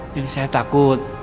jadi saya takut